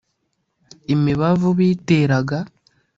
imibavu biteraga